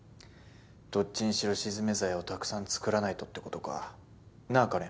どっちにしろ鎮冥鞘をたくさん作らないとってことかなぁ